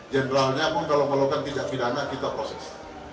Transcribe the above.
jenderalnya pun kalau melakukan tindak pidana kita proses